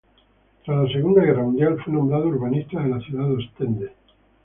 Tras la Segunda Guerra Mundial fue nombrado urbanista de la ciudad de Ostende.